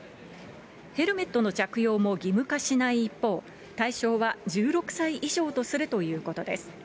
ヘルメットの着用も義務化しない一方、対象は１６歳以上とするということです。